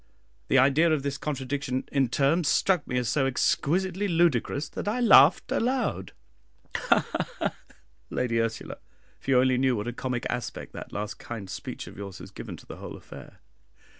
The idea of this contradiction in terms struck me as so exquisitely ludicrous, that I laughed aloud. "Ha! ha! ha! Lady Ursula, if you only knew what a comic aspect that last kind speech of yours has given to the whole affair.